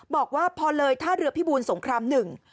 บอกว่าพอเลยท่าเรือพิบูลสงครามหนึ่ง